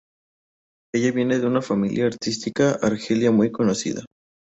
Ella viene de una familia artística argelina muy conocida.